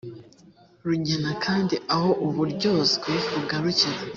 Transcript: rugena kandi aho uburyozwe bugarukira